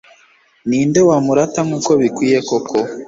ni nde wamurata nk'uko bikwiye koko